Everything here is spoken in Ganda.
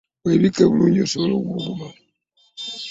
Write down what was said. Weebikke bulungi osobole okubuguma.